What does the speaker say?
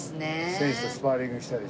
選手とスパーリングしたりして。